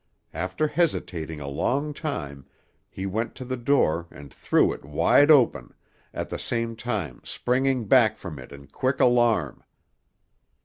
After hesitating a long time, he went to the door and threw it wide open, at the same time springing back from it in quick alarm.